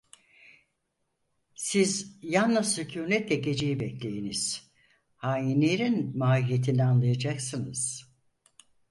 Siz yalnız sükunetle geceyi bekleyiniz, hainlerin mahiyetini anlayacaksınız.